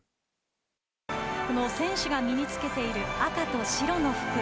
この選手が身に着けている赤と白の服。